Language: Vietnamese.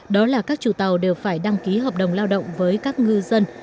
đó là các chủ tàu đều phải đăng ký hợp đồng lao động với các ngư dân